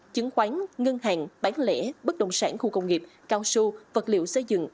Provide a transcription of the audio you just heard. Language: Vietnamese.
chứng khoán ngân hàng bán lễ bất đồng sản khu công nghiệp cao su vật liệu xây dựng